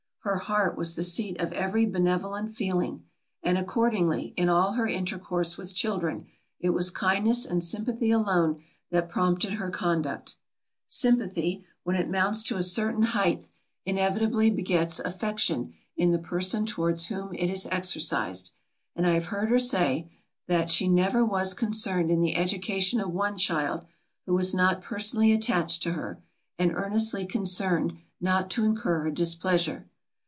Her heart was the seat of every benevolent feeling; and accordingly, in all her intercourse with children, it was kindness and sympathy alone that prompted her conduct. Sympathy, when it mounts to a certain height, inevitably begets affection in the person towards whom it is exercised; and I have heard her say, that she never was concerned in the education of one child, who was not personally attached to her, and earnestly concerned, not to incur her displeasure.